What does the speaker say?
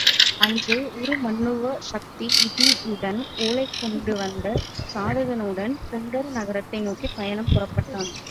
அன்றே உருமண்ணுவா, சக்தி யூதியுடனும் ஒலை கொண்டு வந்த சாதகனுடன் புண்டர நகரத்தை நோக்கிப் பயணம் புறப்பட்டான்.